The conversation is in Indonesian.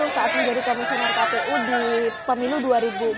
saat menjadi komisioner kpu di pemilu dua ribu empat belas